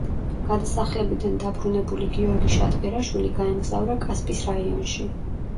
გადასახლებიდან დაბრუნებული გიორგი შატბერაშვილი გაემგზავრა კასპის რაიონში.